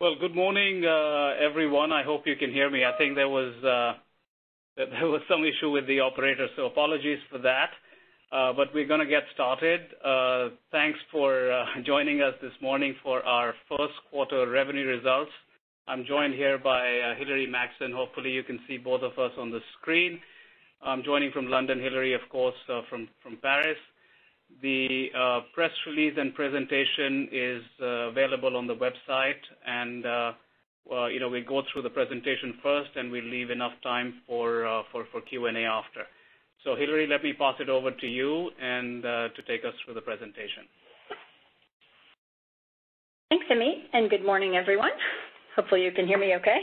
Well, good morning, everyone. I hope you can hear me. I think there was some issue with the operator, so apologies for that, but we're going to get started. Thanks for joining us this morning for our first quarter revenue results. I'm joined here by Hilary Maxson. Hopefully, you can see both of us on the screen. I'm joining from London, Hilary, of course, from Paris. The press release and presentation is available on the website and we'll go through the presentation first, and we leave enough time for Q&A after. Hilary, let me pass it over to you, and to take us through the presentation. Thanks, Amit. Good morning, everyone. Hopefully, you can hear me okay.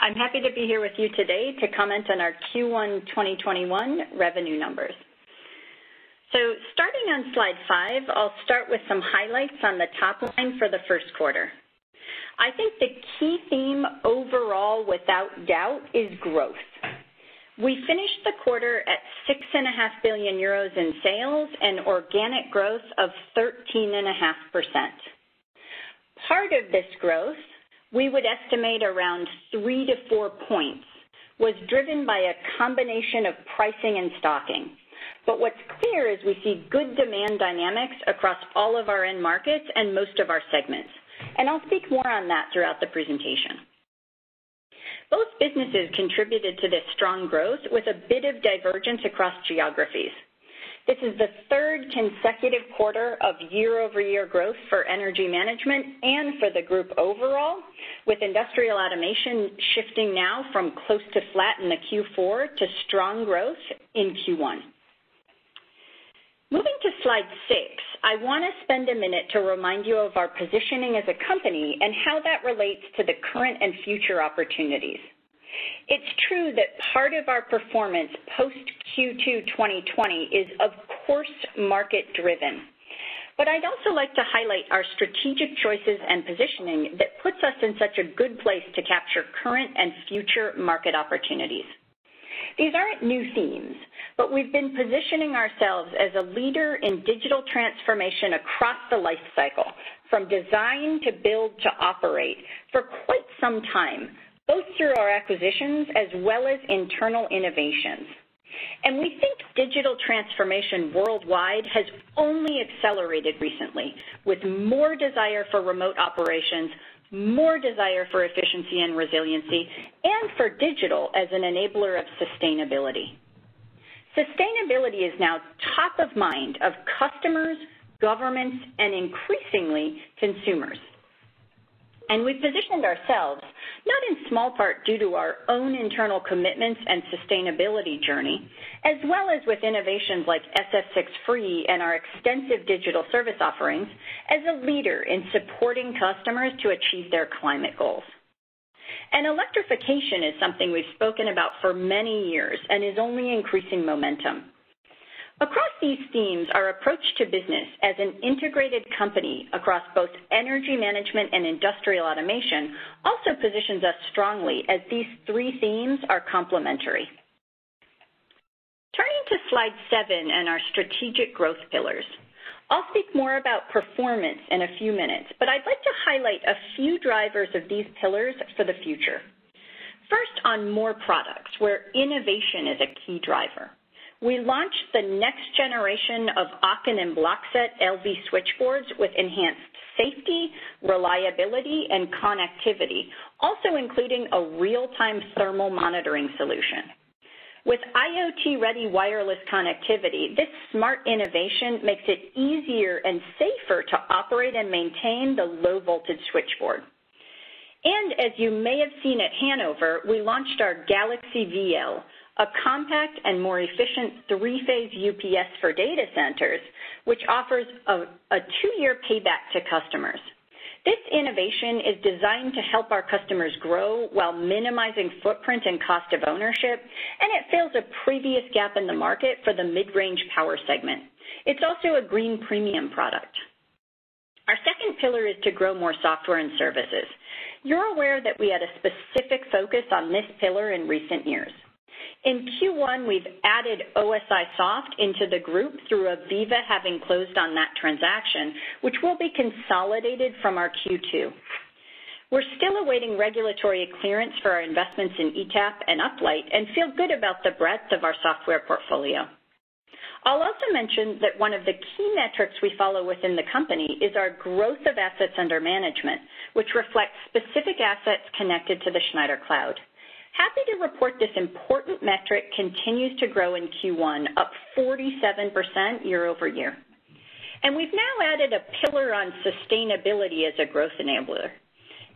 I'm happy to be here with you today to comment on our Q1 2021 revenue numbers. Starting on slide five, I'll start with some highlights on the top line for the first quarter. I think the key theme overall, without doubt, is growth. We finished the quarter at 6.5 billion euros in sales and organic growth of 13.5%. Part of this growth, we would estimate around three to four points, was driven by a combination of pricing and stocking. What's clear is we see good demand dynamics across all of our end markets and most of our segments. I'll speak more on that throughout the presentation. Both businesses contributed to this strong growth with a bit of divergence across geographies. This is the third consecutive quarter of year-over-year growth for Energy Management and for the group overall, with Industrial Automation shifting now from close to flat in the Q4 to strong growth in Q1. Moving to slide six, I want to spend a minute to remind you of our positioning as a company and how that relates to the current and future opportunities. It's true that part of our performance post Q2 2020 is of course, market-driven. I'd also like to highlight our strategic choices and positioning that puts us in such a good place to capture current and future market opportunities. These aren't new themes, we've been positioning ourselves as a leader in digital transformation across the life cycle, from design to build to operate, for quite some time, both through our acquisitions as well as internal innovations. We think digital transformation worldwide has only accelerated recently, with more desire for remote operations, more desire for efficiency and resiliency, and for digital as an enabler of sustainability. Sustainability is now top of mind of customers, governments, and increasingly, consumers. We've positioned ourselves, not in small part due to our own internal commitments and sustainability journey, as well as with innovations like SF6-free and our extensive digital service offerings as a leader in supporting customers to achieve their climate goals. Electrification is something we've spoken about for many years and is only increasing momentum. Across these themes, our approach to business as an integrated company across both Energy Management and Industrial Automation also positions us strongly as these three themes are complementary. Turning to slide seven and our strategic growth pillars. I'll speak more about performance in a few minutes, but I'd like to highlight a few drivers of these pillars for the future. First, on more products, where innovation is a key driver. We launched the next generation of Okken and BlokSeT LV switchboards with enhanced safety, reliability, and connectivity, also including a real-time thermal monitoring solution. With IoT-ready wireless connectivity, this smart innovation makes it easier and safer to operate and maintain the low-voltage switchboard. As you may have seen at Hannover, we launched our Galaxy VL, a compact and more efficient three-phase UPS for data centers, which offers a two-year payback to customers. This innovation is designed to help our customers grow while minimizing footprint and cost of ownership, and it fills a previous gap in the market for the mid-range power segment. It's also a Green Premium product. Our second pillar is to grow more software and services. You're aware that we had a specific focus on this pillar in recent years. In Q1, we've added OSIsoft into the group through AVEVA having closed on that transaction, which will be consolidated from our Q2. We're still awaiting regulatory clearance for our investments in ETAP and Uplight and feel good about the breadth of our software portfolio. I'll also mention that one of the key metrics we follow within the company is our growth of assets under management, which reflects specific assets connected to the Schneider cloud. Happy to report this important metric continues to grow in Q1, up 47% year-over-year. We've now added a pillar on sustainability as a growth enabler.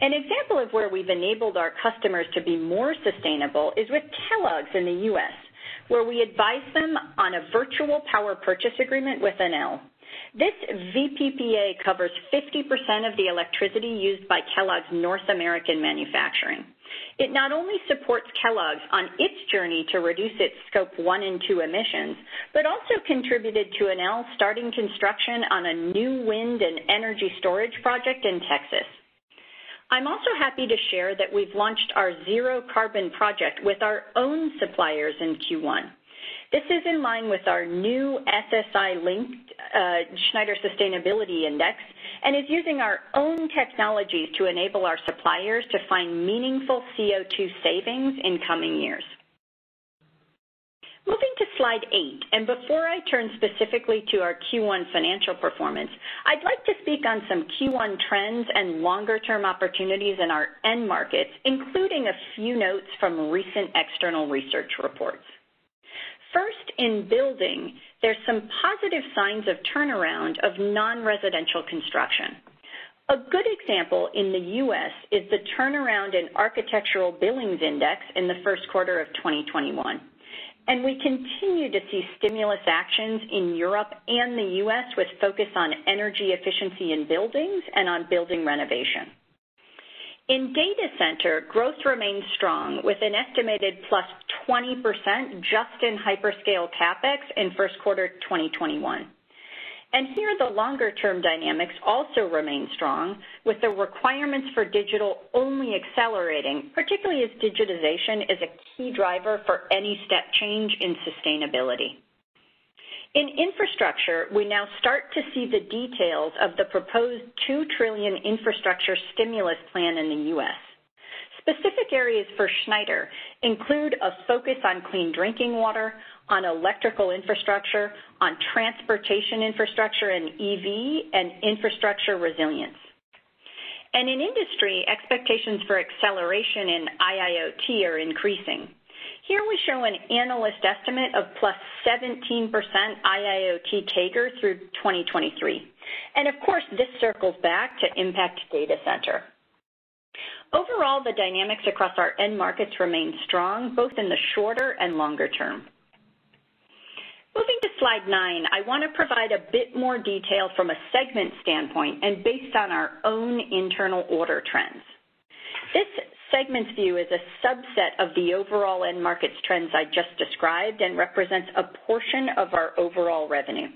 An example of where we've enabled our customers to be more sustainable is with Kellogg's in the U.S., where we advised them on a virtual power purchase agreement with Enel. This VPPA covers 50% of the electricity used by Kellogg's North American manufacturing. It not only supports Kellogg's on its journey to reduce its Scope 1 and 2 emissions, but also contributed to Enel starting construction on a new wind and energy storage project in Texas. I'm also happy to share that we've launched our Zero Carbon Project with our own suppliers in Q1. This is in line with our new SSI like Schneider Sustainability Index, and is using our own technologies to enable our suppliers to find meaningful CO2 savings in coming years. Moving to slide eight, before I turn specifically to our Q1 financial performance, I'd like to speak on some Q1 trends and longer term opportunities in our end markets, including a few notes from recent external research reports. First, in building, there's some positive signs of turnaround of non-residential construction. A good example in the U.S. is the turnaround in Architectural Billings Index in the first quarter of 2021. We continue to see stimulus actions in Europe and the U.S. with focus on energy efficiency in buildings and on building renovation. In data center, growth remains strong with an estimated +20% just in hyperscale CapEx in first quarter 2021. Here, the longer term dynamics also remain strong with the requirements for digital only accelerating, particularly as digitization is a key driver for any step change in sustainability. In infrastructure, we now start to see the details of the proposed $2 trillion infrastructure stimulus plan in the U.S. Specific areas for Schneider include a focus on clean drinking water, on electrical infrastructure, on transportation infrastructure and EV, and infrastructure resilience. In industry, expectations for acceleration in IIoT are increasing. Here, we show an analyst estimate of +17% IIoT CAGR through 2023. Of course, this circles back to impact data center. Overall, the dynamics across our end markets remain strong, both in the shorter and longer term. Moving to slide nine, I want to provide a bit more detail from a segment standpoint and based on our own internal order trends. This segments view is a subset of the overall end markets trends I just described and represents a portion of our overall revenue.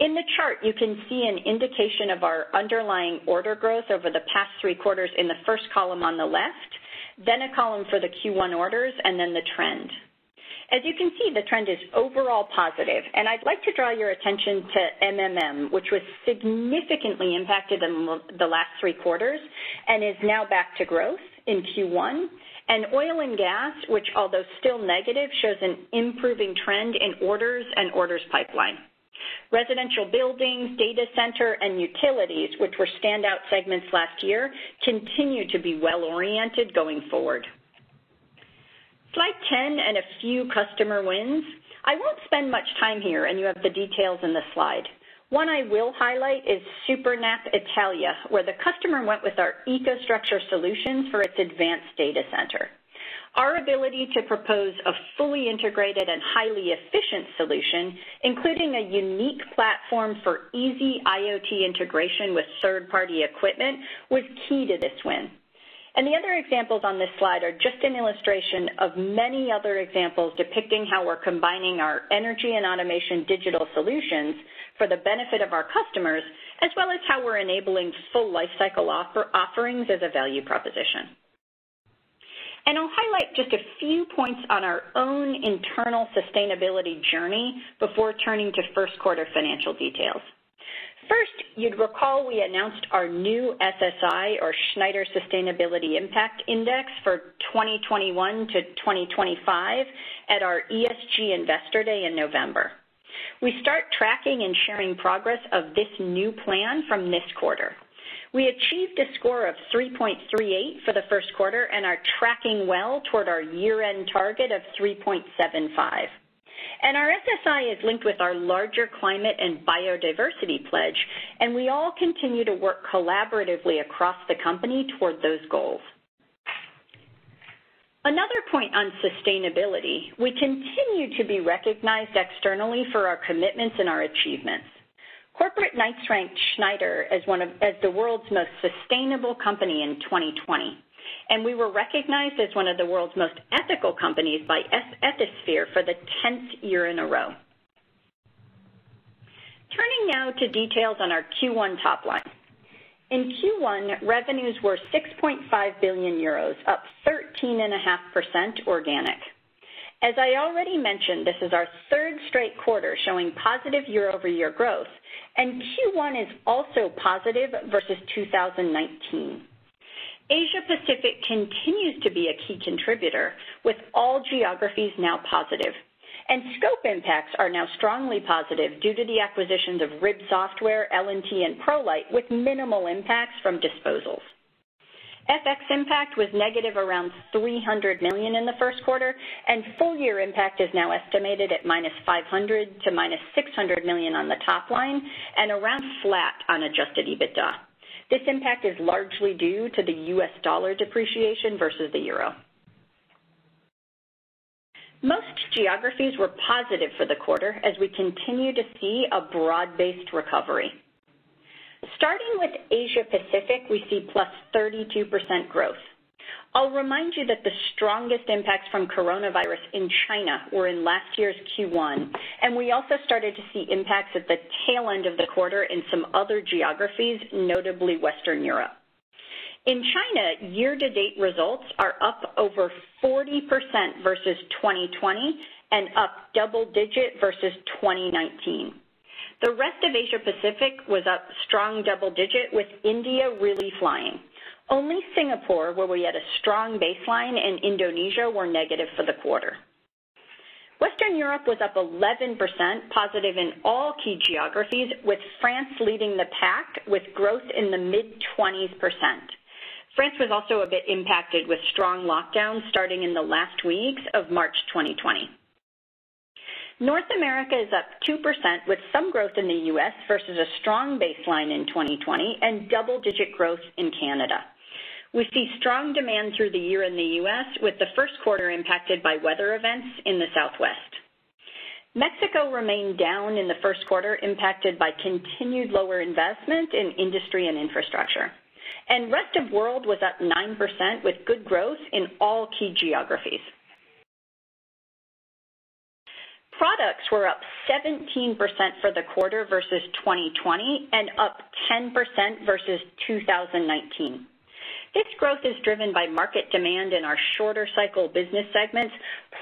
In the chart, you can see an indication of our underlying order growth over the past three quarters in the first column on the left, then a column for the Q1 orders, then the trend. As you can see, the trend is overall positive. I'd like to draw your attention to MMM, which was significantly impacted in the last three quarters and is now back to growth in Q1. Oil and gas, which although still negative, shows an improving trend in orders and orders pipeline. Residential buildings, data center, and utilities, which were standout segments last year, continue to be well-oriented going forward. Slide 10 and a few customer wins. I won't spend much time here, and you have the details in the slide. One I will highlight is SUPERNAP Italia, where the customer went with our EcoStruxure solutions for its advanced data center. Our ability to propose a fully integrated and highly efficient solution, including a unique platform for easy IoT integration with third-party equipment, was key to this win. The other examples on this slide are just an illustration of many other examples depicting how we're combining our energy and automation digital solutions for the benefit of our customers, as well as how we're enabling full life cycle offerings as a value proposition. I'll highlight just a few points on our own internal sustainability journey before turning to first quarter financial details. First, you'd recall we announced our new SSI, or Schneider Sustainability Impact index for 2021 to 2025 at our ESG Investor Day in November. We start tracking and sharing progress of this new plan from this quarter. We achieved a score of 3.38 for the first quarter and are tracking well toward our year-end target of 3.75. Our SSI is linked with our larger climate and biodiversity pledge, and we all continue to work collaboratively across the company toward those goals. Another point on sustainability, we continue to be recognized externally for our commitments and our achievements. Corporate Knights ranked Schneider as the world's most sustainable company in 2020, and we were recognized as one of the world's most ethical companies by Ethisphere for the 10th year in a row. Turning now to details on our Q1 top line. In Q1, revenues were 6.5 billion euros, up 13.5% organic. As I already mentioned, this is our third straight quarter showing positive year-over-year growth, and Q1 is also positive versus 2019. Asia Pacific continues to be a key contributor with all geographies now positive, and scope impacts are now strongly positive due to the acquisitions of RIB Software, L&T, and ProLeiT with minimal impacts from disposals. FX impact was negative around 300 million in the first quarter, and full year impact is now estimated at -500 million to -600 million on the top line and around flat on adjusted EBITDA. This impact is largely due to the U.S. dollar depreciation versus the euro. Most geographies were positive for the quarter as we continue to see a broad-based recovery. Starting with Asia Pacific, we see +32% growth. I'll remind you that the strongest impacts from coronavirus in China were in last year's Q1, and we also started to see impacts at the tail end of the quarter in some other geographies, notably Western Europe. In China, year-to-date results are up over 40% versus 2020 and up double digit versus 2019. The rest of Asia Pacific was up strong double digit with India really flying. Only Singapore, where we had a strong baseline, and Indonesia were negative for the quarter. Western Europe was up 11% positive in all key geographies, with France leading the pack with growth in the mid-20s%. France was also a bit impacted with strong lockdowns starting in the last weeks of March 2020. North America is up 2% with some growth in the U.S. versus a strong baseline in 2020 and double-digit growth in Canada. We see strong demand through the year in the U.S., with the first quarter impacted by weather events in the Southwest. Mexico remained down in the first quarter, impacted by continued lower investment in industry and infrastructure. Rest of world was up 9% with good growth in all key geographies. Products were up 17% for the quarter versus 2020 and up 10% versus 2019. This growth is driven by market demand in our shorter cycle business segments,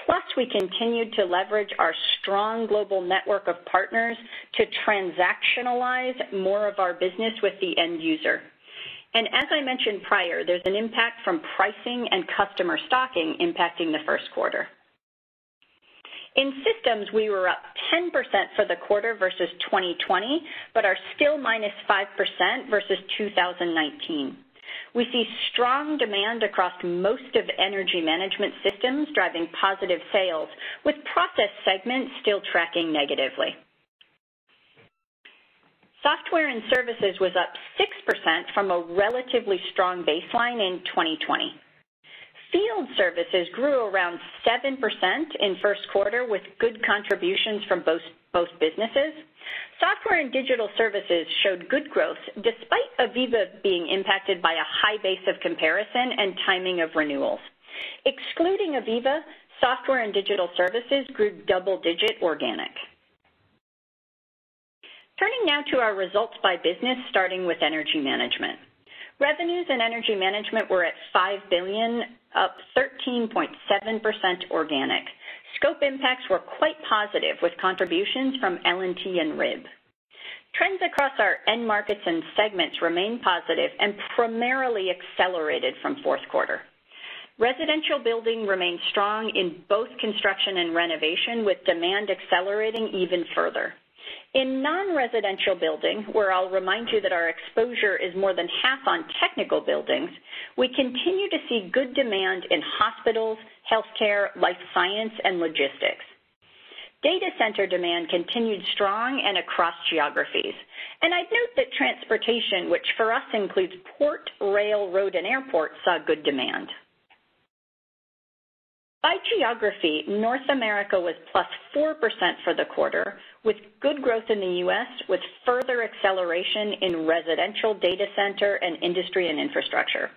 plus we continued to leverage our strong global network of partners to transactionalize more of our business with the end user. As I mentioned prior, there's an impact from pricing and customer stocking impacting the first quarter. In Systems, we were up 10% for the quarter versus 2020, but are still minus 5% versus 2019. We see strong demand across most of Energy Management systems, driving positive sales with process segments still tracking negatively. Software and Services was up 6% from a relatively strong baseline in 2020. Field services grew around 7% in first quarter, with good contributions from both businesses. Software and digital services showed good growth, despite AVEVA being impacted by a high base of comparison and timing of renewals. Excluding AVEVA, software and digital services grew double digit organic. Turning now to our results by business, starting with Energy Management. Revenues in Energy Management were at 5 billion, up 13.7% organic. Scope impacts were quite positive with contributions from L&T and RIB. Trends across our end markets and segments remain positive and primarily accelerated from fourth quarter. Residential building remained strong in both construction and renovation, with demand accelerating even further. In non-residential building, where I'll remind you that our exposure is more than half on technical buildings, we continue to see good demand in hospitals, healthcare, life science, and logistics. Data center demand continued strong and across geographies. I'd note that transportation, which for us includes port, rail, road, and airports, saw good demand. By geography, North America was +4% for the quarter, with good growth in the U.S., with further acceleration in residential data center and industry and infrastructure.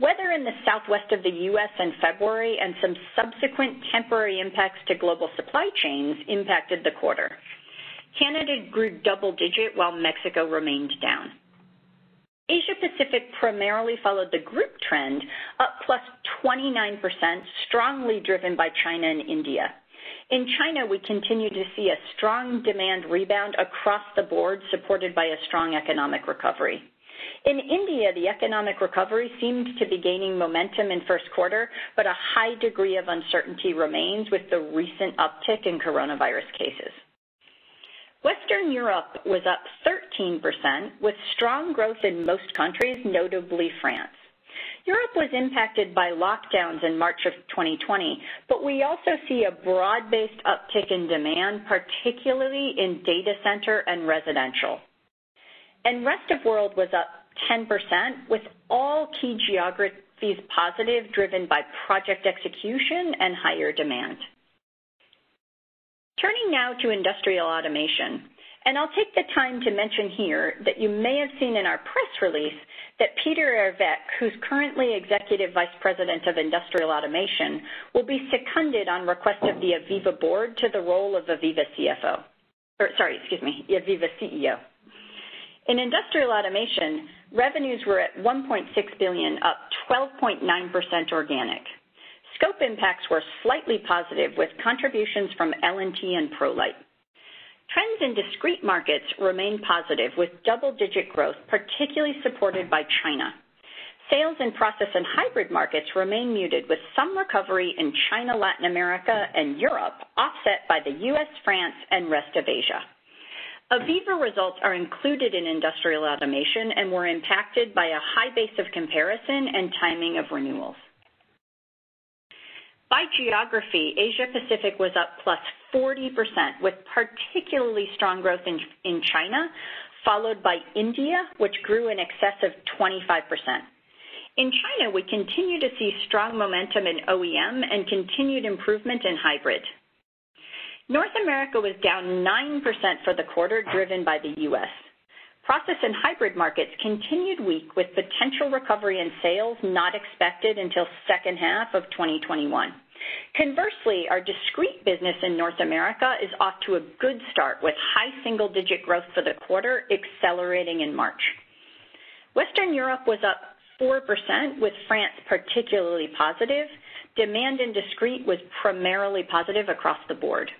Weather in the Southwest of the U.S. in February and some subsequent temporary impacts to global supply chains impacted the quarter. Canada grew double digit while Mexico remained down. Asia Pacific primarily followed the group trend, up +29%, strongly driven by China and India. In China, we continued to see a strong demand rebound across the board, supported by a strong economic recovery. In India, the economic recovery seemed to be gaining momentum in first quarter, but a high degree of uncertainty remains with the recent uptick in coronavirus cases. Western Europe was up 13%, with strong growth in most countries, notably France. Europe was impacted by lockdowns in March of 2020, We also see a broad-based uptick in demand, particularly in data center and residential. Rest of world was up 10% with all key geographies positive, driven by project execution and higher demand. Turning now to Industrial Automation, I'll take the time to mention here that you may have seen in our press release that Peter Herweck, who's currently Executive Vice President of Industrial Automation, will be seconded on request of the AVEVA board to the role of AVEVA CFO. Or sorry, excuse me, AVEVA CEO. In Industrial Automation, revenues were at 1.6 billion, up 12.9% organic. Scope impacts were slightly positive with contributions from L&T and ProLeiT. Trends in discrete markets remain positive, with double-digit growth particularly supported by China. Sales in process and hybrid markets remain muted with some recovery in China, Latin America, and Europe, offset by the U.S., France, and rest of Asia. AVEVA results are included in Industrial Automation and were impacted by a high base of comparison and timing of renewals. By geography, Asia Pacific was up plus 40%, with particularly strong growth in China, followed by India, which grew in excess of 25%. In China, we continue to see strong momentum in OEM and continued improvement in hybrid. North America was down 9% for the quarter, driven by the U.S. Process and hybrid markets continued weak, with potential recovery and sales not expected until second half of 2021. Conversely, our discrete business in North America is off to a good start, with high single-digit growth for the quarter, accelerating in March. Western Europe was up 4%, with France particularly positive. Demand in discrete was primarily positive across the board.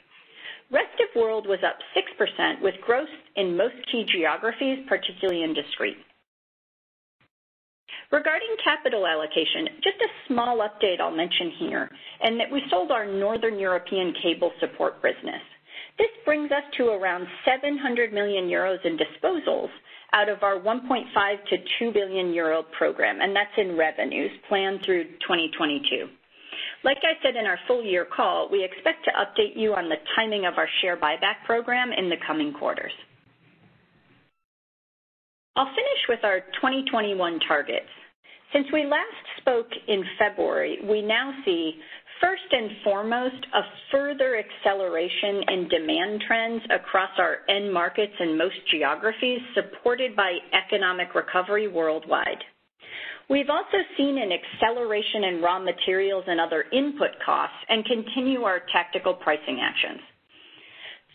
Rest of world was up 6%, with growth in most key geographies, particularly in discrete. Regarding capital allocation, just a small update I'll mention here, in that we sold our northern European cable support business. This brings us to around 700 million euros in disposals out of our 1.5 billion-2 billion euro program, that's in revenues planned through 2022. Like I said in our full-year call, we expect to update you on the timing of our share buyback program in the coming quarters. I'll finish with our 2021 targets. Since we last spoke in February, we now see, first and foremost, a further acceleration in demand trends across our end markets in most geographies, supported by economic recovery worldwide. We've also seen an acceleration in raw materials and other input costs and continue our tactical pricing actions.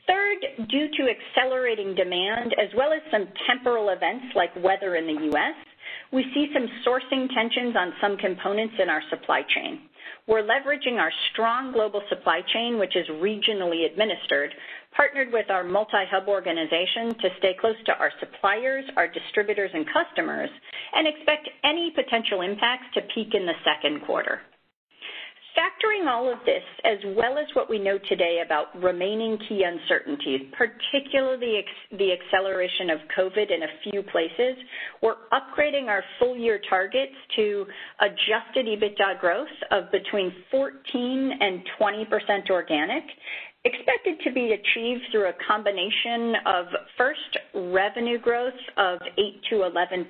Third, due to accelerating demand as well as some temporal events like weather in the U.S., we see some sourcing tensions on some components in our supply chain. We're leveraging our strong global supply chain, which is regionally administered, partnered with our multi-hub organization to stay close to our suppliers, our distributors, and customers, and expect any potential impacts to peak in the second quarter. Factoring all of this, as well as what we know today about remaining key uncertainties, particularly the acceleration of COVID-19 in a few places, we're upgrading our full-year targets to adjusted EBITDA growth of between 14%-20% organic, expected to be achieved through a combination of, first, revenue growth of 8%-11%,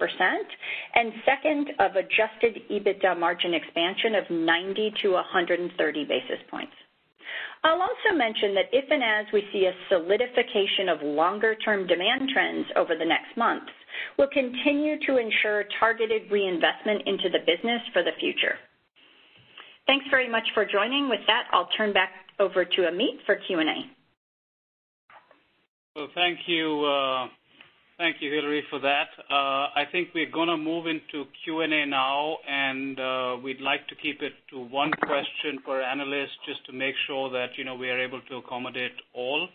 second, of adjusted EBITDA margin expansion of 90-130 basis points. I'll also mention that if and as we see a solidification of longer-term demand trends over the next months, we'll continue to ensure targeted reinvestment into the business for the future. Thanks very much for joining. With that, I'll turn back over to Amit for Q&A. Well, thank you, Hilary, for that. I think we're going to move into Q&A now, and we'd like to keep it to one question per analyst, just to make sure that we are able to accommodate all.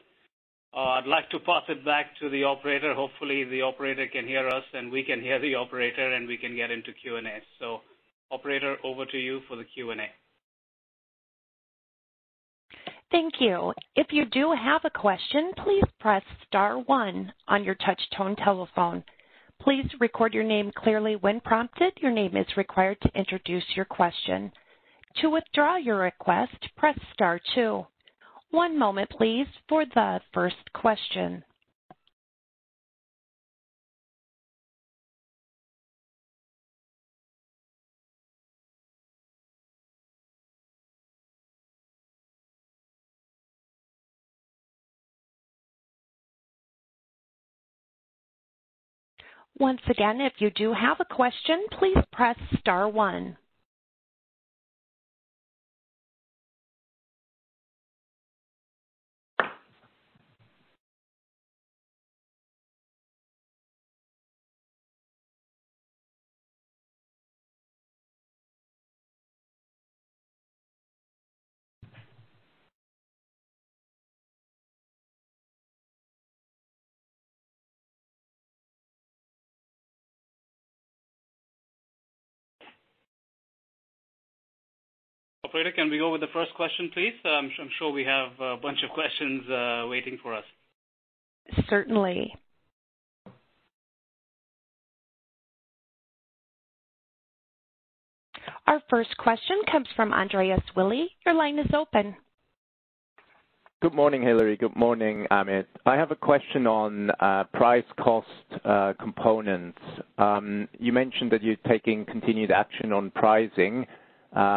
I'd like to pass it back to the operator. Hopefully, the operator can hear us, and we can hear the operator, and we can get into Q&A. Operator, over to you for the Q&A. Thank you. If you do have a question, please press star one on your touch tone telephone. Please record your name clearly when prompted. Your name is required to introduce your question. To withdraw your request, press star two. One moment, please, for the first question. Once again, if you do have a question, please press star one. Operator, can we go with the first question, please? I'm sure we have a bunch of questions waiting for us. Certainly. Our first question comes from Andreas Willi. Your line is open. Good morning, Hilary. Good morning, Amit. I have a question on price cost components. You mentioned that you're taking continued action on pricing.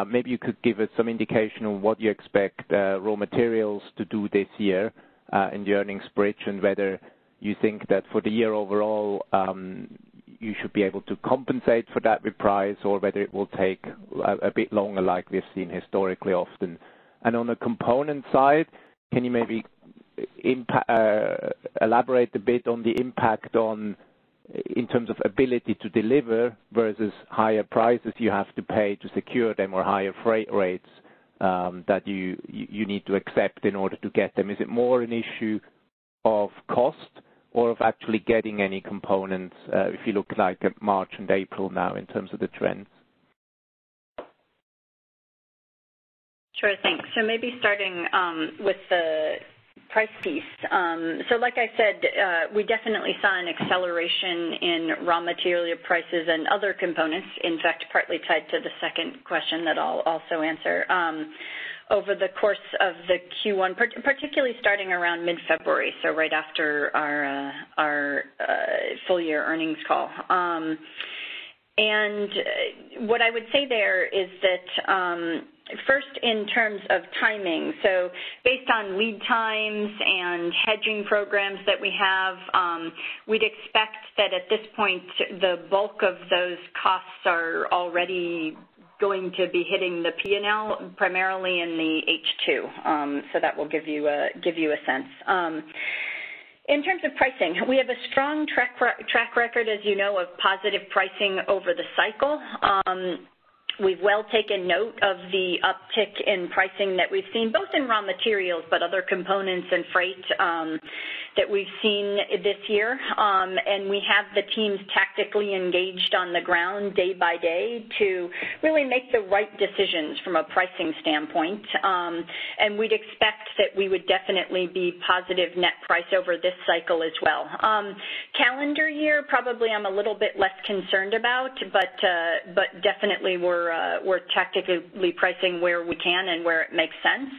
Maybe you could give us some indication of what you expect raw materials to do this year in the earnings bridge, and whether you think that for the year overall, you should be able to compensate for that with price or whether it will take a bit longer, like we've seen historically, often. On the component side, can you maybe elaborate a bit on the impact in terms of ability to deliver versus higher prices you have to pay to secure them, or higher freight rates that you need to accept in order to get them? Is it more an issue of cost or of actually getting any components, if you look at March and April now in terms of the trends? Sure. Thanks. Maybe starting with the price piece. Like I said, we definitely saw an acceleration in raw material prices and other components. In fact, partly tied to the second question that I will also answer. Over the course of the Q1, particularly starting around mid-February, right after our full year earnings call. What I would say there is that first, in terms of timing, based on lead times and hedging programs that we have, we would expect that at this point, the bulk of those costs are already going to be hitting the P&L primarily in the H2. That will give you a sense. In terms of pricing, we have a strong track record, as you know, of positive pricing over the cycle. We've well taken note of the uptick in pricing that we've seen, both in raw materials, but other components and freight that we've seen this year. We have the teams tactically engaged on the ground day by day to really make the right decisions from a pricing standpoint. We'd expect that we would definitely be positive net price over this cycle as well. Calendar year, probably I'm a little bit less concerned about, but definitely we're tactically pricing where we can and where it makes sense.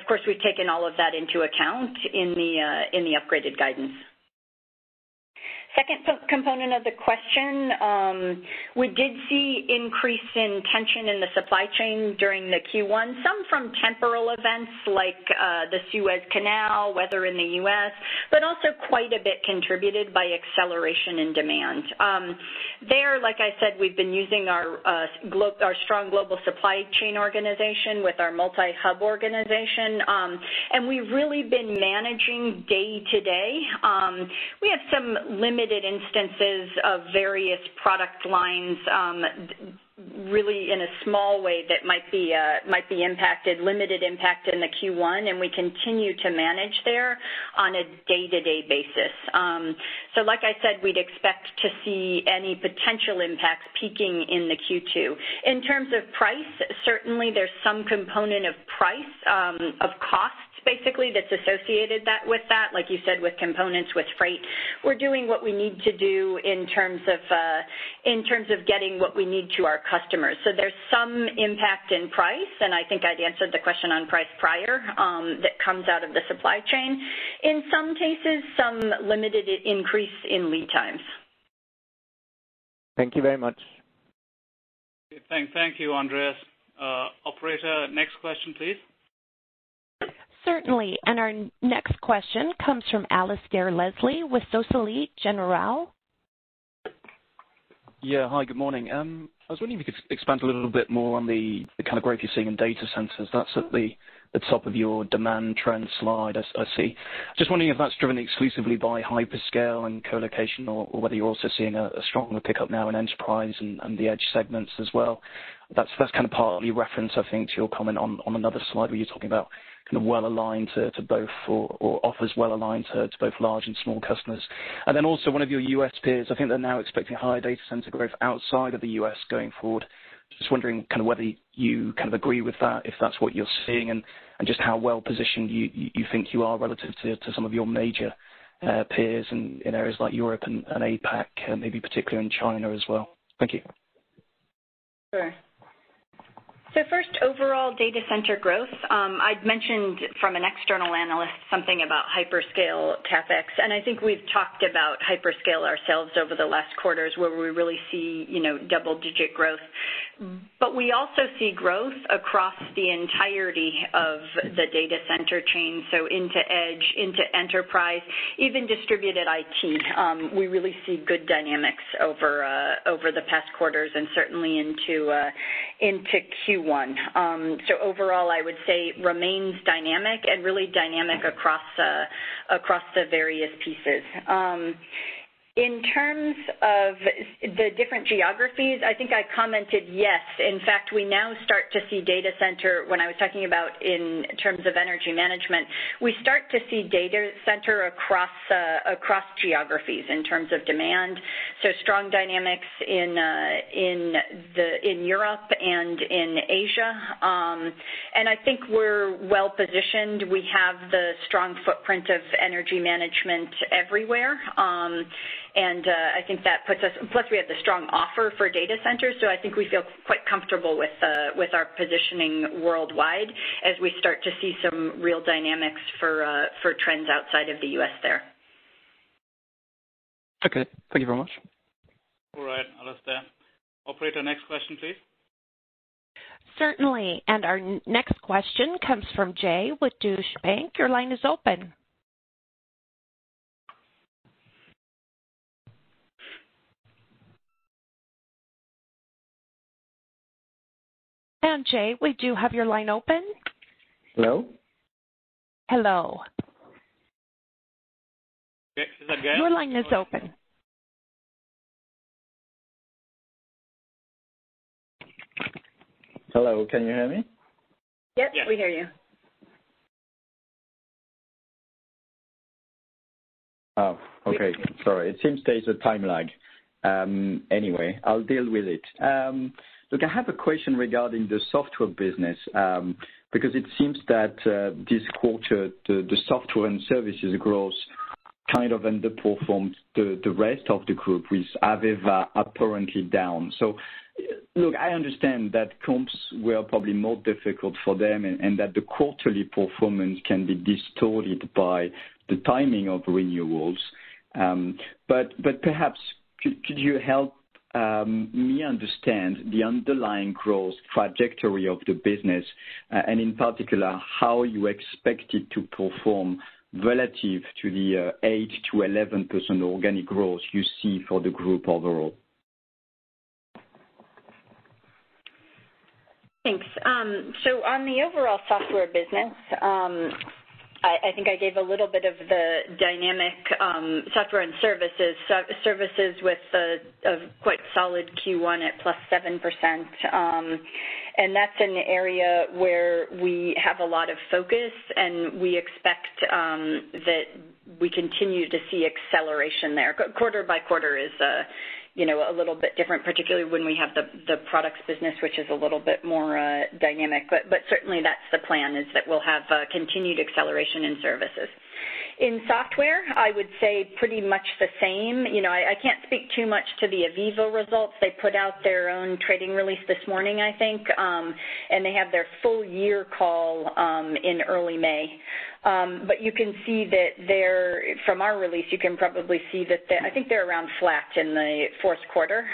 Of course, we've taken all of that into account in the upgraded guidance. Second component of the question, we did see increase in tension in the supply chain during the Q1, some from temporal events like the Suez Canal, weather in the U.S., but also quite a bit contributed by acceleration in demand. There, like I said, we've been using our strong global supply chain organization with our multi-hub organization, and we've really been managing day to day. We have some limited instances of various product lines, really in a small way that might be impacted, limited impact in the Q1, and we continue to manage there on a day-to-day basis. Like I said, we'd expect to see any potential impact peaking in the Q2. In terms of price, certainly there's some component of price, of costs, basically, that's associated with that, like you said, with components, with freight. We're doing what we need to do in terms of getting what we need to our customers. There's some impact in price, and I think I'd answered the question on price prior, that comes out of the supply chain. In some cases, some limited increase in lead times. Thank you very much. Thank you, Andreas. Operator, next question, please. Certainly. Our next question comes from Alasdair Leslie with Societe Generale. Yeah. Hi, good morning. I was wondering if you could expand a little bit more on the kind of growth you're seeing in data centers. That's at the top of your demand trend slide, I see. Wondering if that's driven exclusively by hyperscale and colocation or whether you're also seeing a stronger pickup now in enterprise and the edge segments as well. That's kind of partly reference, I think, to your comment on another slide where you're talking about kind of well-aligned to both or offers well-aligned to both large and small customers. Also one of your U.S. peers, I think they're now expecting higher data center growth outside of the U.S. going forward. Just wondering kind of whether you kind of agree with that, if that's what you're seeing and just how well-positioned you think you are relative to some of your major peers in areas like Europe and APAC, maybe particularly in China as well. Thank you. Sure. First, overall data center growth. I'd mentioned from an external analyst something about hyperscale CapEx, and I think we've talked about hyperscale ourselves over the last quarters where we really see double-digit growth. We also see growth across the entirety of the data center chain, so into edge, into enterprise, even distributed IT. We really see good dynamics over the past quarters and certainly into Q1. Overall, I would say remains dynamic and really dynamic across the various pieces. In terms of the different geographies, I think I commented, yes. In fact, we now start to see data center-- when I was talking about in terms of Energy Management, we start to see data center across geographies in terms of demand. Strong dynamics in Europe and in Asia. I think we're well-positioned. We have the strong footprint of Energy Management everywhere. I think that puts us plus we have the strong offer for data centers, I think we feel quite comfortable with our positioning worldwide as we start to see some real dynamics for trends outside of the U.S. there. Okay. Thank you very much. All right, Alasdair. Operator, next question, please. Certainly. Our next question comes from Gaël with Deutsche Bank. Your line is open. Gaël, we do have your line open. Hello? Hello. Is that Gaël? Your line is open. Hello, can you hear me? Yep. Yes. We hear you. Oh, okay. Sorry. It seems there is a time lag. Anyway, I'll deal with it. Look, I have a question regarding the software business, because it seems that this quarter, the software and services growth kind of underperformed the rest of the group with AVEVA apparently down. Look, I understand that comps were probably more difficult for them and that the quarterly performance can be distorted by the timing of renewals. Perhaps could you help me understand the underlying growth trajectory of the business, and in particular, how you expect it to perform relative to the 8%-11% organic growth you see for the group overall? Thanks. On the overall software business, I think I gave a little bit of the dynamic software and services. Services with a quite solid Q1 at +7%. That's an area where we have a lot of focus, and we expect that we continue to see acceleration there. Quarter by quarter is a little bit different, particularly when we have the products business, which is a little bit more dynamic. Certainly, that's the plan, is that we'll have continued acceleration in services. In software, I would say pretty much the same. I can't speak too much to the AVEVA results. They put out their own trading release this morning, I think. They have their full year call in early May. From our release, you can probably see that I think they're around flat in the fourth quarter.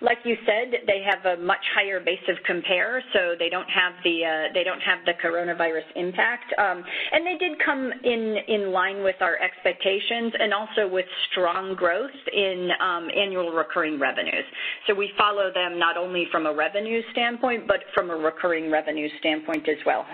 Like you said, they have a much higher base of compare, so they don't have the coronavirus impact. They did come in line with our expectations and also with strong growth in annual recurring revenues. We follow them not only from a revenue standpoint, but from a recurring revenue standpoint as well.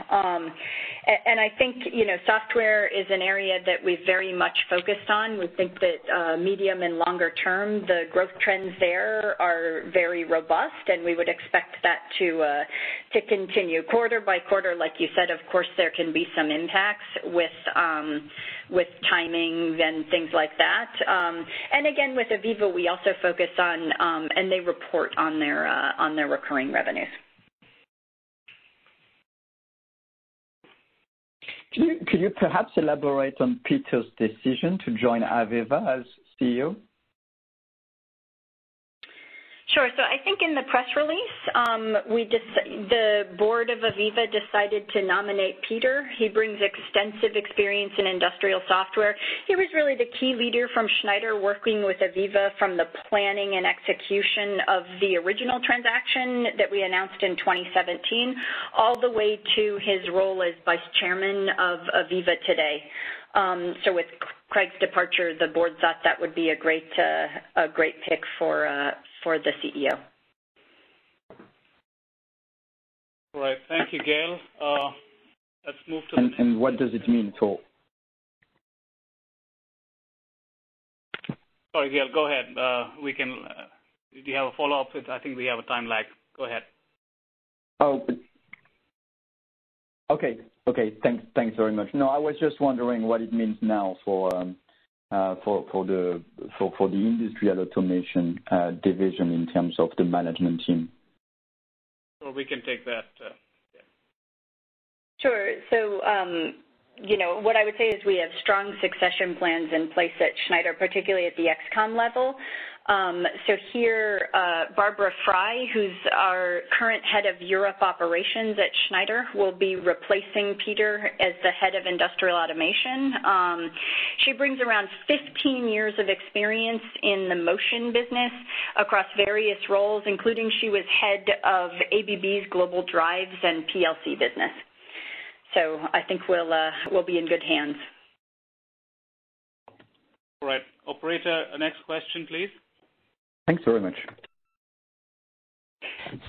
I think, software is an area that we've very much focused on. We think that medium and longer term, the growth trends there are very robust, and we would expect that to continue quarter by quarter. Like you said, of course, there can be some impacts with timings and things like that. Again, with AVEVA, we also focus on, and they report on their recurring revenues. Could you perhaps elaborate on Peter's decision to join AVEVA as CEO? Sure. I think in the press release, the board of AVEVA decided to nominate Peter. He brings extensive experience in industrial software. He was really the key leader from Schneider working with AVEVA from the planning and execution of the original transaction that we announced in 2017, all the way to his role as vice chairman of AVEVA today. With Craig's departure, the board thought that would be a great pick for the CEO. All right. Thank you, Gaël. And what does it mean to- Sorry, Gaël, go ahead. Do you have a follow-up? I think we have a time lag. Go ahead. Oh. Okay. Thanks very much. I was just wondering what it means now for the Industrial Automation division in terms of the management team. Well, we can take that. Yeah. Sure. What I would say is we have strong succession plans in place at Schneider, particularly at the ExCom level. Here, Barbara Frei, who's our current head of Europe Operations at Schneider, will be replacing Peter as the head of Industrial Automation. She brings around 15 years of experience in the motion business across various roles, including she was head of ABB's Global Drives and PLC business. I think we'll be in good hands. All right. Operator, next question, please. Thanks very much.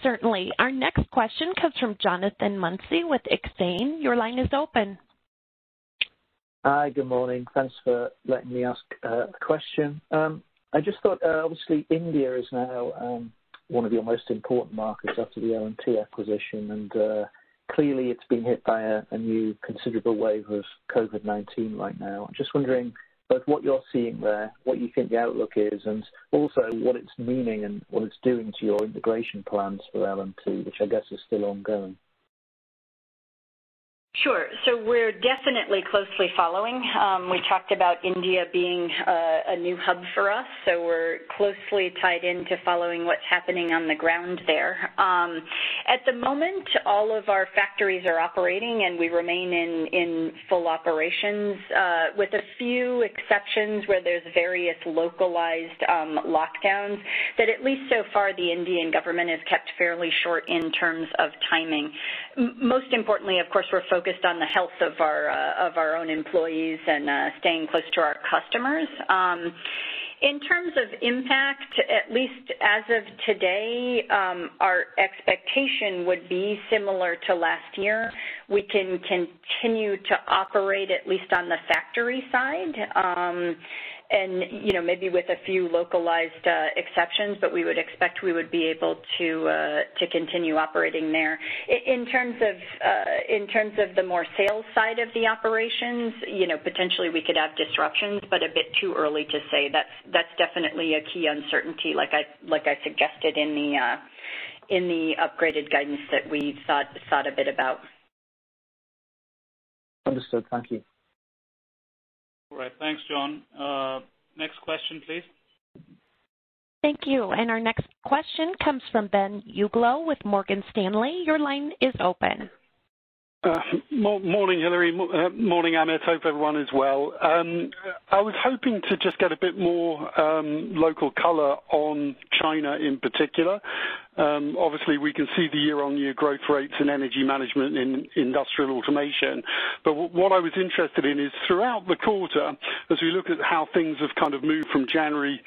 Certainly. Our next question comes from Jonathan Mounsey with Exane. Your line is open. Hi. Good morning. Thanks for letting me ask a question. I just thought, obviously, India is now one of your most important markets after the L&T acquisition, and clearly, it's been hit by a new considerable wave of COVID-19 right now. I'm just wondering both what you're seeing there, what you think the outlook is, and also what it's meaning and what it's doing to your integration plans for L&T, which I guess is still ongoing. Sure. We're definitely closely following. We talked about India being a new hub for us, so we're closely tied into following what's happening on the ground there. At the moment, all of our factories are operating, and we remain in full operations, with a few exceptions where there's various localized lockdowns that at least so far, the Indian government has kept fairly short in terms of timing. Most importantly, of course, we're focused on the health of our own employees and staying close to our customers. In terms of impact, at least as of today, our expectation would be similar to last year. We can continue to operate at least on the factory side, and maybe with a few localized exceptions, but we would expect we would be able to continue operating there. In terms of the more sales side of the operations, potentially we could have disruptions, but a bit too early to say. That's definitely a key uncertainty, like I suggested in the upgraded guidance that we thought a bit about. Understood. Thank you. All right. Thanks, John. Next question, please. Thank you. Our next question comes from Ben Uglow with Morgan Stanley. Your line is open. Morning, Hilary. Morning, Amit. Hope everyone is well. I was hoping to just get a bit more local color on China in particular. Obviously, we can see the year-on-year growth rates in Energy Management and Industrial Automation. What I was interested in is throughout the quarter, as we look at how things have kind of moved from January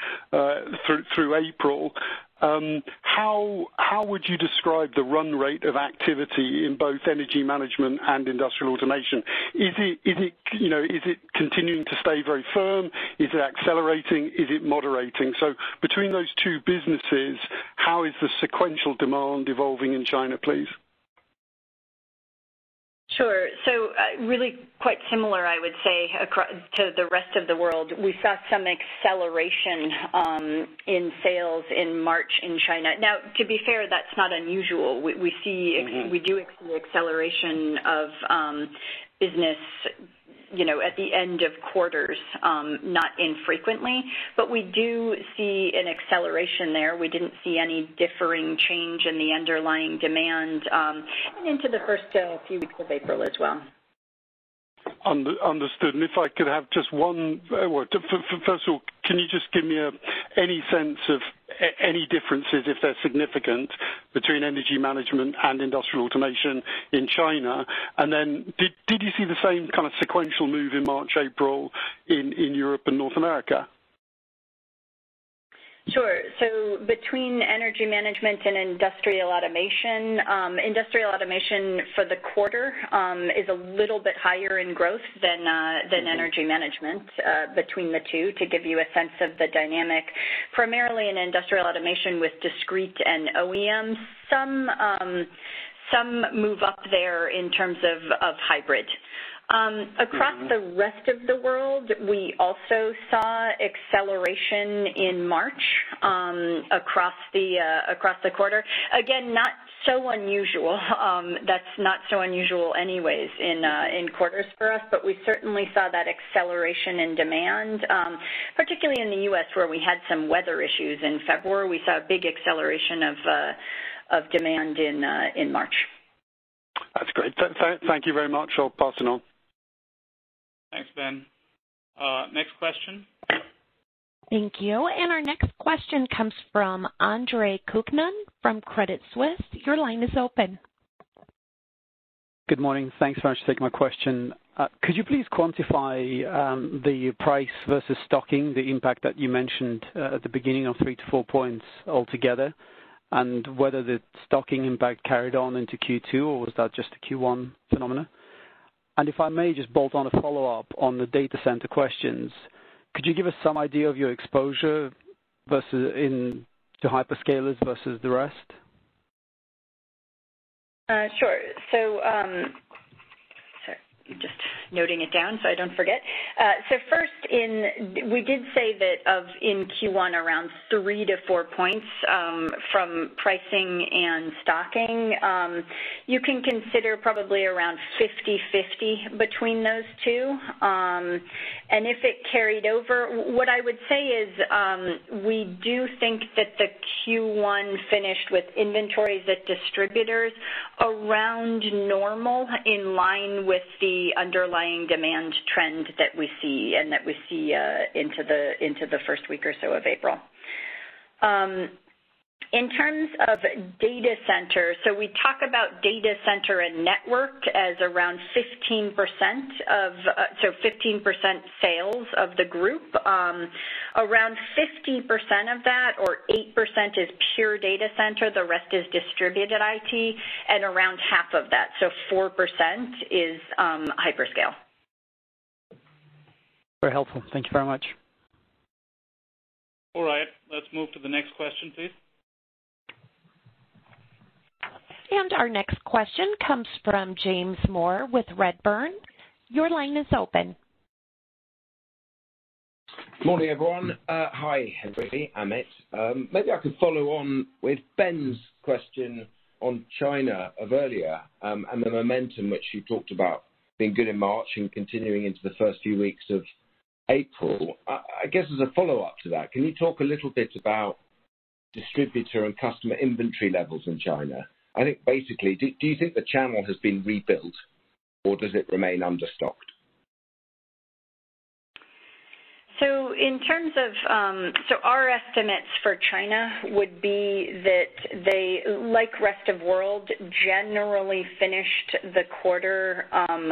through April, how would you describe the run rate of activity in both Energy Management and Industrial Automation? Is it continuing to stay very firm? Is it accelerating? Is it moderating? Between those two businesses, how is the sequential demand evolving in China, please? Sure. Really quite similar, I would say, to the rest of the world. We saw some acceleration in sales in March in China. Now, to be fair, that's not unusual. We do see acceleration of business at the end of quarters, not infrequently. We do see an acceleration there. We didn't see any differing change in the underlying demand and into the first few weeks of April as well. Understood. If I could have just one word. First of all, can you just give me any sense of any differences, if they're significant, between Energy Management and Industrial Automation in China? Then did you see the same kind of sequential move in March, April in Europe and North America? Sure. Between Energy Management and Industrial Automation, Industrial Automation for the quarter is a little bit higher in growth than Energy Management between the two, to give you a sense of the dynamic, primarily in Industrial Automation with discrete and OEMs. Some move up there in terms of hybrid. Across the rest of the world, we also saw acceleration in March, across the quarter. That's not so unusual anyways in quarters for us. We certainly saw that acceleration in demand, particularly in the U.S., where we had some weather issues in February. We saw a big acceleration of demand in March. That's great. Thank you very much. I'll pass it on. Thanks, Ben. Next question. Thank you. Our next question comes from Andre Kukhnin from Credit Suisse. Your line is open. Good morning. Thanks very much for taking my question. Could you please quantify the price versus stocking, the impact that you mentioned at the beginning of three to four points altogether, and whether the stocking impact carried on into Q2, or was that just a Q1 phenomenon? If I may just bolt on a follow-up on the data center questions, could you give us some idea of your exposure to hyperscalers versus the rest? Sure. Just noting it down so I don't forget. First, we did say that in Q1, around three to four points from pricing and stocking. You can consider probably around 50/50 between those two. If it carried over, what I would say is, we do think that the Q1 finished with inventories at distributors around normal, in line with the underlying demand trend that we see, and that we see into the first week or so of April. In terms of data center, we talk about data center and network as around 15% sales of the group. Around 50% of that or 8% is pure data center. The rest is distributed IT, and around half of that, 4%, is hyperscale. Very helpful. Thank you very much. All right. Let's move to the next question, please. Our next question comes from James Moore with Redburn. Your line is open. Morning, everyone. Hi, Hilary, Amit. Maybe I could follow on with Ben's question on China of earlier, and the momentum which you talked about being good in March and continuing into the first few weeks of April. I guess as a follow-up to that, can you talk a little bit about distributor and customer inventory levels in China? I think basically, do you think the channel has been rebuilt, or does it remain understocked? Our estimates for China would be that they, like rest of world, generally finished the quarter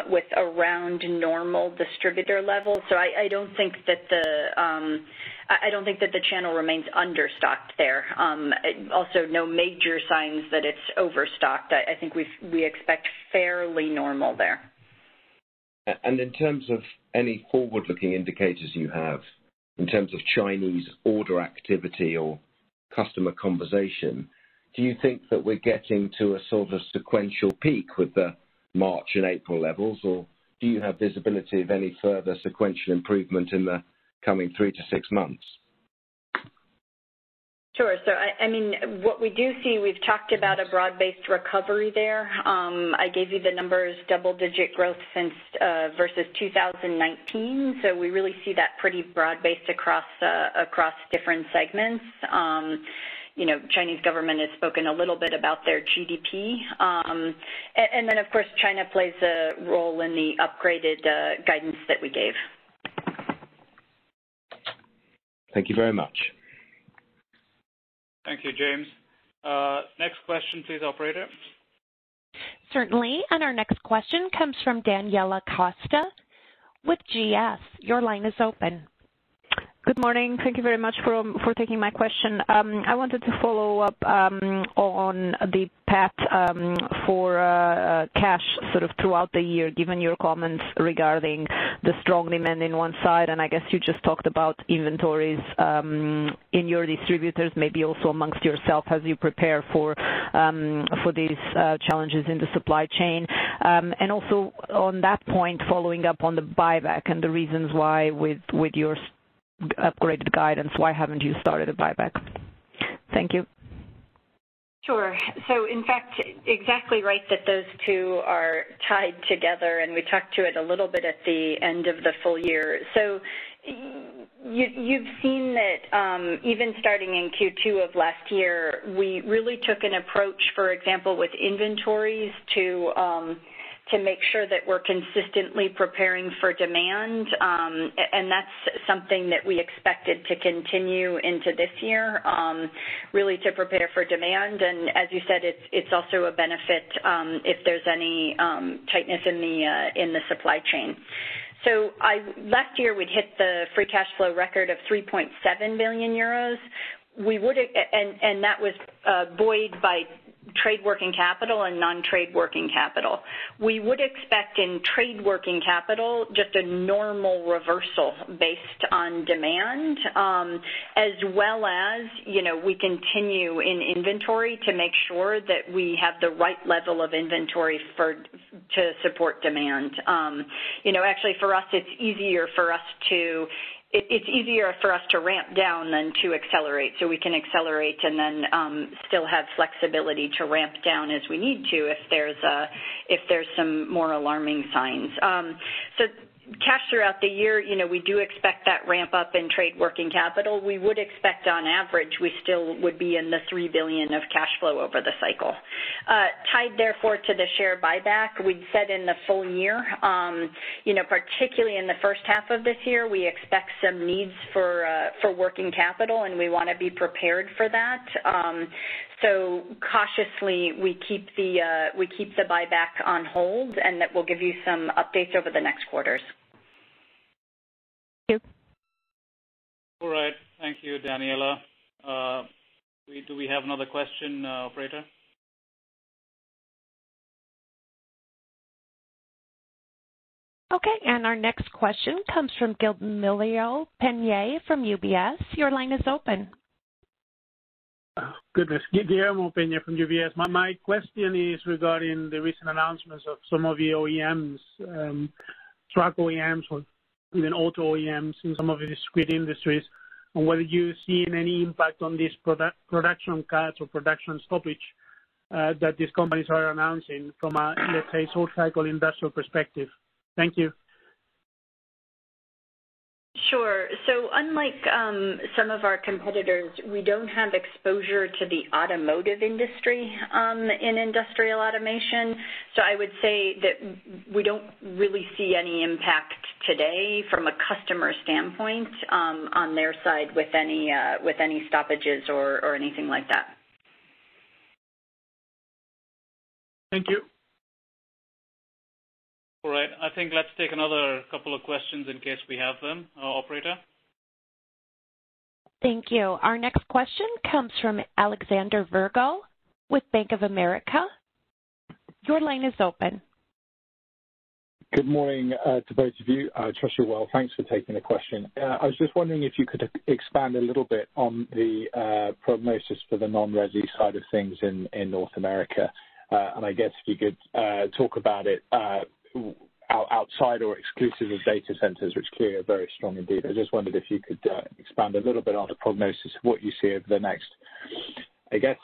with around normal distributor levels. I don't think that the channel remains understocked there. Also, no major signs that it's overstocked. I think we expect fairly normal there. In terms of any forward-looking indicators you have in terms of Chinese order activity or customer conversation, do you think that we're getting to a sort of sequential peak with the March and April levels, or do you have visibility of any further sequential improvement in the coming three to six months? Sure. What we do see, we've talked about a broad-based recovery there. I gave you the numbers, double-digit growth versus 2019. We really see that pretty broad-based across different segments. Chinese government has spoken a little bit about their GDP. Of course, China plays a role in the upgraded guidance that we gave. Thank you very much. Thank you, James. Next question please, operator. Certainly. Our next question comes from Daniela Costa with GS. Your line is open. Good morning. Thank you very much for taking my question. I wanted to follow up on the path for cash sort of throughout the year, given your comments regarding the strong demand in one side, I guess you just talked about inventories in your distributors, maybe also amongst yourself as you prepare for these challenges in the supply chain. Also on that point, following up on the buyback and the reasons why with your upgraded guidance, why haven't you started a buyback? Thank you. Sure. In fact, exactly right that those two are tied together, and we talked to it a little bit at the end of the full year. You've seen that even starting in Q2 of last year, we really took an approach, for example, with inventories to make sure that we're consistently preparing for demand. That's something that we expected to continue into this year, really to prepare for demand, and as you said, it's also a benefit if there's any tightness in the supply chain. Last year, we'd hit the free cash flow record of 3.7 billion euros, and that was buoyed by trade working capital and non-trade working capital. We would expect in trade working capital just a normal reversal based on demand. We continue in inventory to make sure that we have the right level of inventory to support demand. Actually for us, it's easier for us to ramp down than to accelerate. We can accelerate and then still have flexibility to ramp down as we need to if there's some more alarming signs. Cash throughout the year, we do expect that ramp-up in trade working capital. We would expect, on average, we still would be in the 3 billion of cash flow over the cycle. Tied therefore to the share buyback, we'd said in the full year, particularly in the first half of this year, we expect some needs for working capital, and we want to be prepared for that. Cautiously, we keep the buyback on hold, and that we'll give you some updates over the next quarters. Thank you. All right. Thank you, Daniela. Do we have another question, operator? Okay, our next question comes from Guillermo Peigneux-Lojo from UBS. Your line is open. Goodness. Guillermo Peigneux-Lojo from UBS. My question is regarding the recent announcements of some of the OEMs, truck OEMs, or even auto OEMs in some of the discrete industries, and whether you've seen any impact on these production cuts or production stoppage that these companies are announcing from a, let's say, full-cycle industrial perspective. Thank you. Sure. Unlike some of our competitors, we don't have exposure to the automotive industry in Industrial Automation. I would say that we don't really see any impact today from a customer standpoint on their side with any stoppages or anything like that. Thank you. All right. I think let's take another couple of questions in case we have them, operator. Thank you. Our next question comes from Alexander Virgo with Bank of America. Your line is open. Good morning to both of you. Tricia Wille, thanks for taking the question. I was just wondering if you could expand a little bit on the prognosis for the non-resi side of things in North America. I guess if you could talk about it outside or exclusive of data centers, which clearly are very strong indeed. I just wondered if you could expand a little bit on the prognosis of what you see over the next, I guess,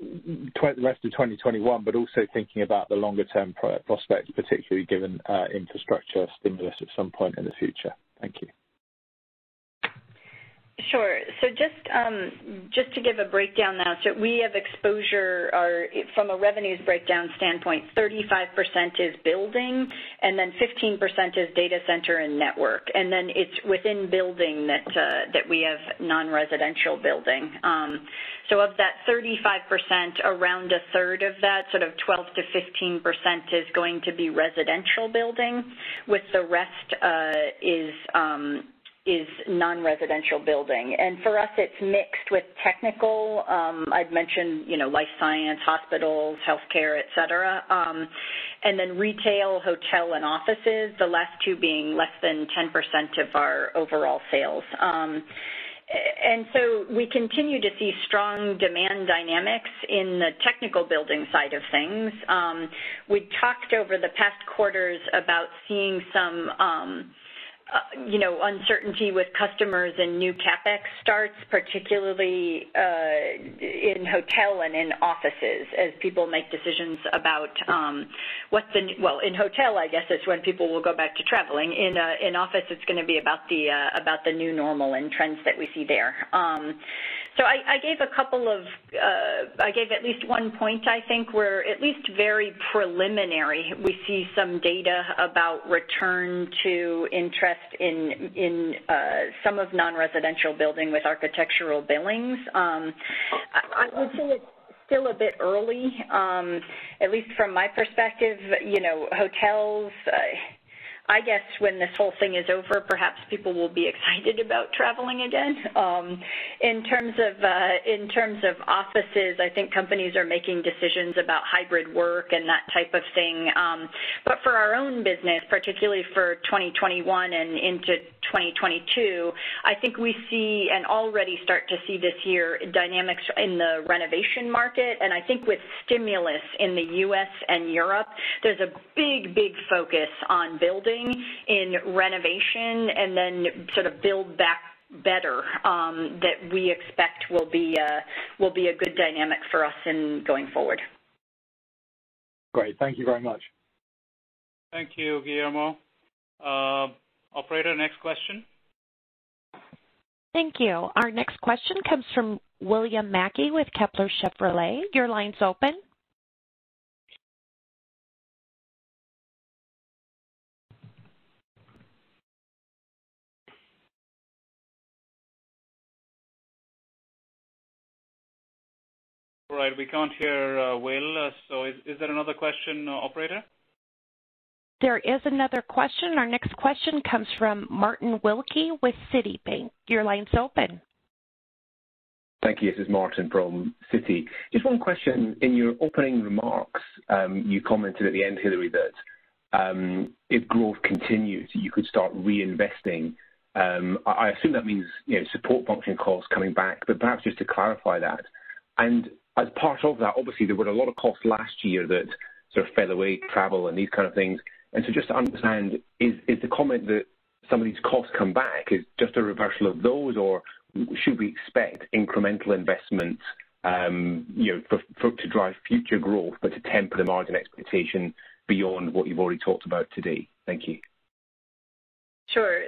the rest of 2021, but also thinking about the longer-term prospects, particularly given infrastructure stimulus at some point in the future. Thank you. Sure. Just to give a breakdown now. We have exposure, from a revenues breakdown standpoint, 35% is building, and then 15% is data center and network, and then it's within building that we have non-residential building. Of that 35%, around a third of that, sort of 12%-15%, is going to be residential building, with the rest is non-residential building. For us, it's mixed with technical. I'd mentioned life science, hospitals, healthcare, et cetera, and then retail, hotel, and offices, the last two being less than 10% of our overall sales. We continue to see strong demand dynamics in the technical building side of things. We talked over the past quarters about seeing some uncertainty with customers and new CapEx starts, particularly in hotel and in offices as people make decisions about what's Well, in hotel, I guess it's when people will go back to traveling. I gave at least one point, I think, where at least very preliminary, we see some data about return to interest in some of non-residential building with architectural billings. I would say it's still a bit early. At least from my perspective, hotels, I guess when this whole thing is over, perhaps people will be excited about traveling again. In terms of offices, I think companies are making decisions about hybrid work and that type of thing. For our own business, particularly for 2021 and into 2022, I think we see, and already start to see this year, dynamics in the renovation market. I think with stimulus in the U.S. and Europe, there's a big focus on building in renovation and then build back better that we expect will be a good dynamic for us in going forward. Great. Thank you very much. Thank you, Virgo. Operator, next question. Thank you. Our next question comes from William Mackie with Kepler Cheuvreux. All right. We can't hear Will, is there another question, operator? There is another question. Our next question comes from Martin Wilkie with Citi. Your line's open. Thank you. This is Martin from Citi. Just one question. In your opening remarks, you commented at the end, Hilary, that if growth continues, you could start reinvesting. I assume that means support function costs coming back, but perhaps just to clarify that. As part of that, obviously, there were a lot of costs last year that fell away, travel and these kind of things. Just to understand, is the comment that some of these costs come back is just a reversal of those, or should we expect incremental investments to drive future growth, but to temper the margin expectation beyond what you've already talked about today? Thank you. Sure.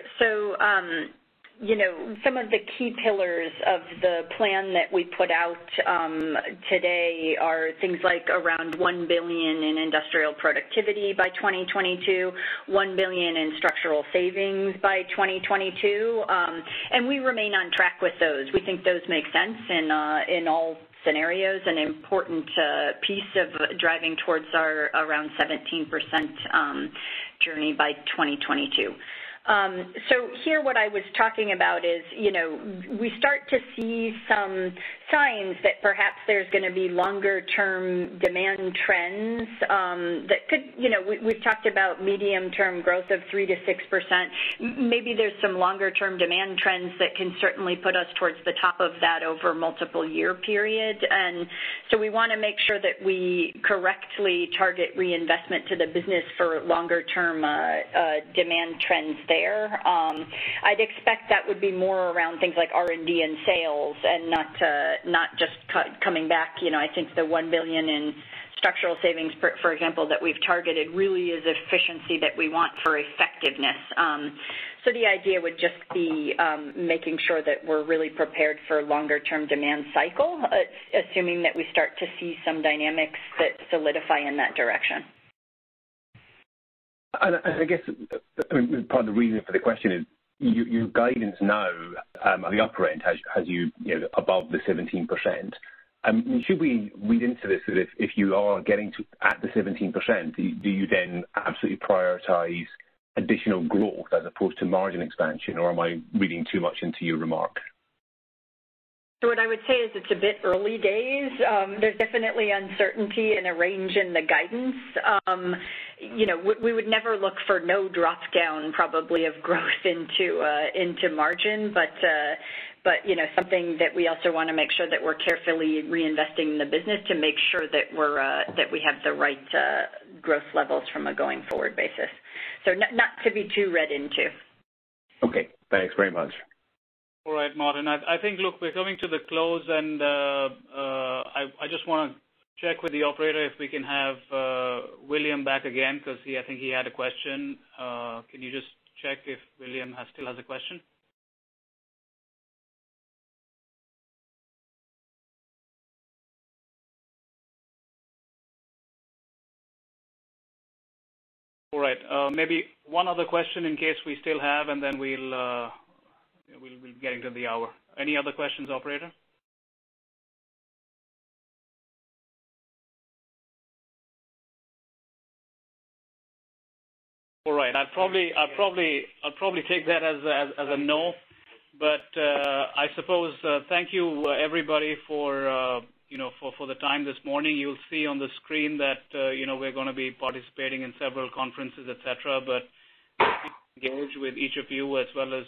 Some of the key pillars of the plan that we put out today are things like around 1 billion in industrial productivity by 2022, 1 billion in structural savings by 2022. We remain on track with those. We think those make sense in all scenarios, an important piece of driving towards our around 17% journey by 2022. Here, what I was talking about is we start to see some signs that perhaps there's going to be longer-term demand trends. We've talked about medium-term growth of 3%-6%. Maybe there's some longer-term demand trends that can certainly put us towards the top of that over multiple year periods. We want to make sure that we correctly target reinvestment to the business for longer-term demand trends there. I'd expect that would be more around things like R&D and sales and not just coming back. I think the 1 billion in structural savings, for example, that we've targeted really is efficiency that we want for effectiveness. The idea would just be making sure that we're really prepared for a longer-term demand cycle, assuming that we start to see some dynamics that solidify in that direction. I guess part of the reason for the question is your guidance now at the upper end has you above the 17%. Should we read into this that if you are getting at the 17%, do you then absolutely prioritize additional growth as opposed to margin expansion? Am I reading too much into your remark? What I would say is it's a bit early days. There's definitely uncertainty and a range in the guidance. We would never look for no drop-down, probably, of growth into margin. Something that we also want to make sure that we're carefully reinvesting in the business to make sure that we have the right growth levels from a going-forward basis. Not to be too read into. Okay. Thanks very much. All right, Martin. I think, look, we're coming to the close and I just want to check with the operator if we can have William back again because I think he had a question. Can you just check if William still has a question? All right. Maybe one other question in case we still have, and then we'll be getting to the hour. Any other questions, operator? All right. I'll probably take that as a no. I suppose thank you, everybody, for the time this morning. You'll see on the screen that we're going to be participating in several conferences, et cetera. We engage with each of you as well as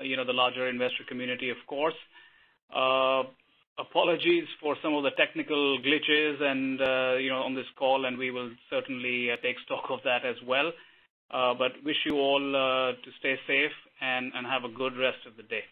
the larger investor community, of course. Apologies for some of the technical glitches on this call, and we will certainly take stock of that as well. Wish you all to stay safe and have a good rest of the day.